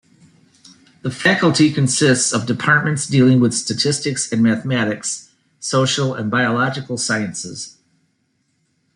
The faculty consists of departments dealing with Statistics and Mathematics, Social and Biological Sciences.